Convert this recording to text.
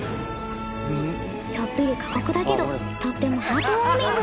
ちょっぴり過酷だけどとってもハートウォーミング。